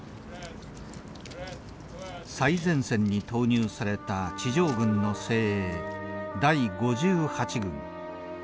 最前線に投入された地上軍の精鋭第５８軍。